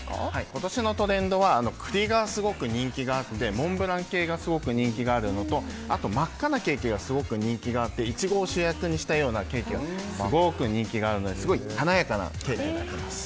今年のトレンドは栗がすごく人気があってモンブラン系がすごく人気があるのとあと真っ赤なケーキがすごく人気があってイチゴを主役にしたようなケーキがすごく人気があるのですごい華やかなケーキになっています。